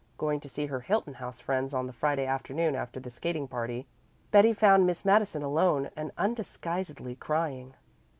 Going to see her Hilton House friends on the Friday afternoon after the skating party, Betty found Miss Madison alone and undisguisedly crying.